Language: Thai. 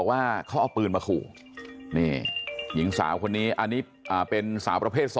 ค่ะปืนมาขู่หญิงสาวคนนี้อันนี้เป็นสาวประเภท๒